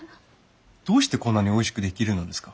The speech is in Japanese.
どうしてこんなにおいしくできるのですか？